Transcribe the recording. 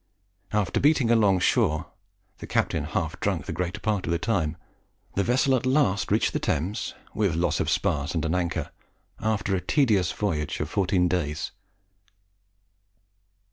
After beating about along shore, the captain half drunk the greater part of the time, the vessel at last reached the Thames with loss of spars and an anchor, after a tedious voyage of fourteen days.